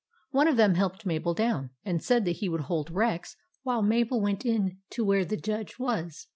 One of them helped Mabel down, and said that he would hold Rex while Mabel went in to where the Judge was.